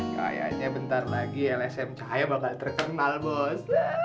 kayaknya bentar lagi lsm cahaya bakal terkenal bos